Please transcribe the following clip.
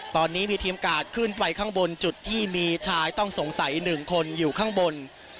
ตอนนี้มีทีมกาดขึ้นไปข้างบนจุดที่มีชายต้องสงสัย๑คนอยู่ข้างบน